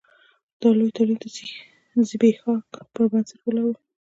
دا لوی تولید د ځبېښاک پر بنسټ ولاړ و.